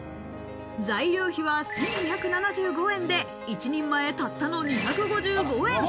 材料費は１２７５円で１人前たったの２５５円。